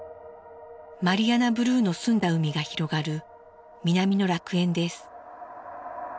マリアナブルーの澄んだ海が広がる南の楽園です。